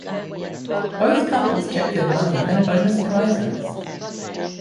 Both couples kept their money and bonus prizes.